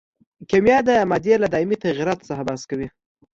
کیمیا د مادې له دایمي تغیراتو څخه بحث کوي.